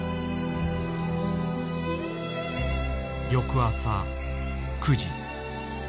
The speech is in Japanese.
翌朝９時。